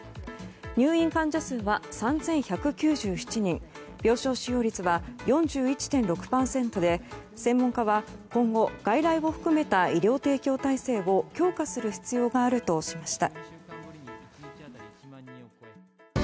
入院患者数は３１９７人病床使用率は４１．６％で専門家は、今後外来を含めた医療提供体制を強化する必要があるとしました。